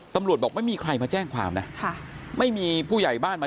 ตำหรวดบอกว่าไม่มีใครมาแจ้งความนะ